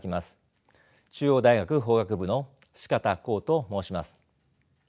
中央大学法学部の四方光と申します。